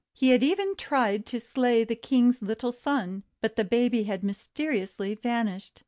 He had even tried to slay the King's little son; but the baby had mysteriously vanished.